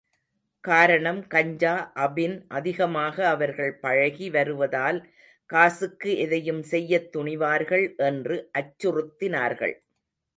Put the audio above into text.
காரணம் கஞ்சா அபின் அதிகமாக அவர்கள் பழகி வருவதால் காசுக்கு எதையும் செய்யத் துணிவார்கள் என்று அச்சுறுத்தினார்கள்.